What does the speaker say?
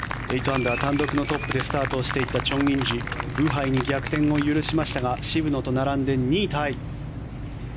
８アンダー単独のトップでスタートしていったチョン・インジブハイに逆転を許しましたが渋野と並んで２位タイ。